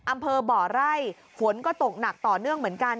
อำเภอบ่อไร่ฝนก็ตกหนักต่อเนื่องเหมือนกัน